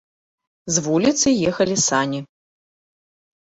З вуліцы ехалі сані.